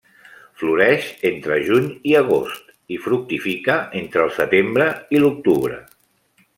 Floreix entre juny i agost, i fructifica entre el setembre i l'octubre.